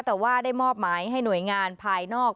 แต่ว่าได้มอบหมายให้หน่วยงานภายนอก